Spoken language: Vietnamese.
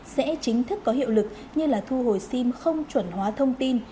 sẽ chính thức có hiệu lực như là thu hồi sim không chuẩn hóa thông tin